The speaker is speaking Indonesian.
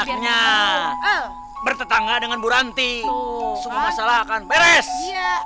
ini enaknya bertetangga dengan buranti masalah kan peres